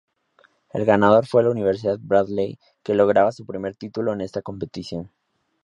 El ganador fue la Universidad Bradley, que lograba su primer título en esta competición.